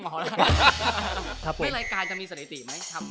ในรายการจะมีสถิติไหม